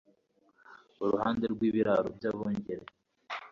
iruhande rw'ibiraro by'abungeri